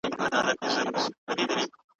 دوی به په راتلونکي جګړه کي ګډون وکړي.